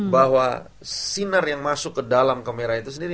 bahwa sinar yang masuk ke dalam kamera itu sendiri